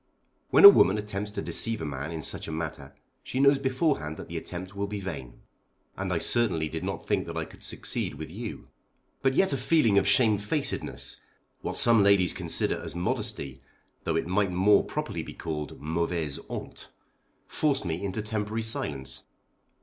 When a woman attempts to deceive a man in such a matter she knows beforehand that the attempt will be vain; and I certainly did not think that I could succeed with you. But yet a feeling of shamefacedness, what some ladies consider as modesty, though it might more properly be called mauvaise honte, forced me into temporary silence.